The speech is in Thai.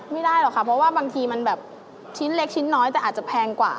ไม่ได้หรอกค่ะเพราะว่าบางทีมันแบบชิ้นเล็กชิ้นน้อยแต่อาจจะแพงกว่า